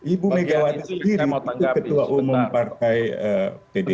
ibu megawati sendiri ketua umum partai pdb